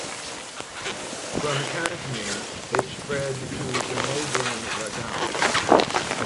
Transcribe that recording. From Kashmir, it spread to the neighbouring Ladakh.